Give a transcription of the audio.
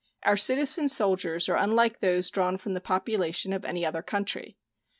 Our citizen soldiers are unlike those drawn from the population of any other country.